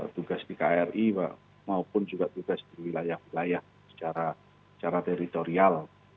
tugas di kri maupun juga tugas di wilayah wilayah secara teritorial